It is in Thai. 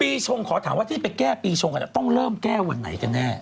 ปีชงขอถามว่าที่ไปแก้ปีชงจะต้องแก้วันไหนกันแน่